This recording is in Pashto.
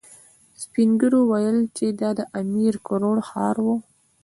سپين ږيرو ويل چې دا د امير کروړ ښار و.